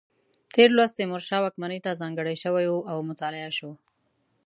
تېر لوست تیمورشاه واکمنۍ ته ځانګړی شوی و او مطالعه شو.